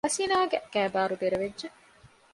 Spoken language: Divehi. ހަސީނާގެ ގައިބާރު ދެރަވެއްޖެ